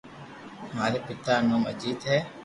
ماري پيتا رو نوم اجيت ھي